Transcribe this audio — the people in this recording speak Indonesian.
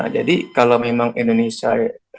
jadi kalau memang indonesia